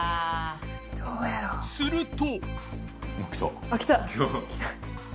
すると